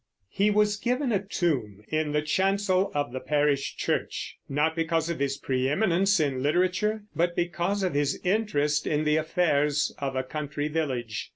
He was given a tomb in the chancel of the parish church, not because of his preëminence in literature, but because of his interest in the affairs of a country village.